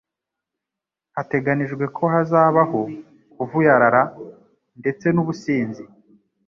Hateganijwe ko hazabaho kuvuyarara ndetse n'ubusinzi.